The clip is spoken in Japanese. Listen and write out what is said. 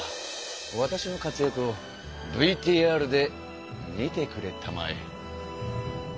わたしの活躍をＶＴＲで見てくれたまえ。